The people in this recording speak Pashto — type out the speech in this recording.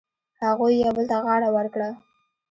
هغوی یو بل ته غاړه ورکړه.